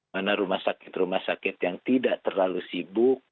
mana rumah sakit rumah sakit yang tidak terlalu sibuk